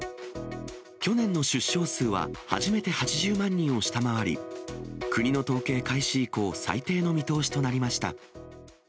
去年の出生数は初めて８０万人を下回り、国の統計開始以降、最低の見通しとなりました。